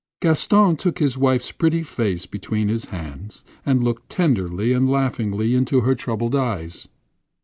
Gaston took his wife's pretty face between his hands and looked tenderly and laughingly into her troubled eyes.